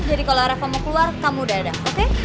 jadi kalau reva mau keluar kamu udah ada oke